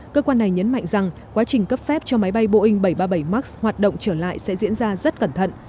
cơ quan này nhấn mạnh rằng quá trình cấp phép cho máy bay boeing bảy trăm ba mươi bảy max hoạt động trở lại sẽ diễn ra rất cẩn thận